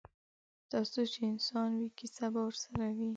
ترڅو چې انسان وي کیسه به ورسره وي.